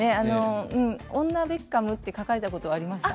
「女ベッカム」って書かれたことありました。